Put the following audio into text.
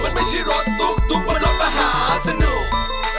มันไม่ใช่รถตุ๊กตุ๊กมันรถประหาสนุก